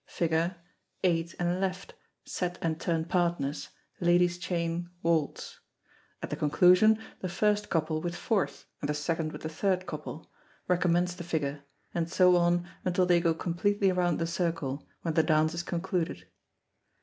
Figure. Eight and left, set and turn partners ladies' chain, waltz. At the conclusion, the first couple with fourth, and the second with the third couple, recommence the figure, and so on until they go completely round the circle, when the dance is concluded.